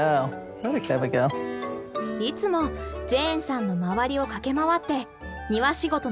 いつもジェーンさんの周りを駆け回って庭仕事の応援をしている。